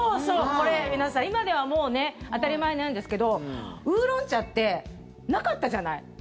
これ、皆さん今ではもう当たり前なんですけど烏龍茶ってなかったじゃない？